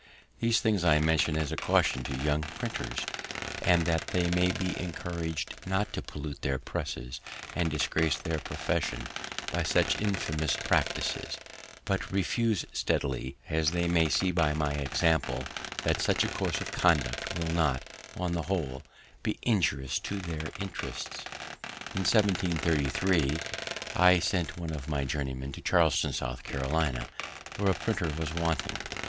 These things I mention as a caution to young printers, and that they may be encouraged not to pollute their presses and disgrace their profession by such infamous practices, but refuse steadily, as they may see by my example that such a course of conduct will not, on the whole, be injurious to their interests. In 1733 I sent one of my journeymen to Charleston, South Carolina, where a printer was wanting.